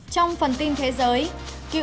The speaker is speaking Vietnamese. trong phần tin thế giới